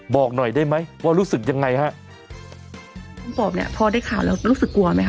บอกหน่อยได้ไหมว่ารู้สึกยังไงฮะผู้ปอบเนี้ยพอได้ข่าวแล้วรู้สึกกลัวไหมค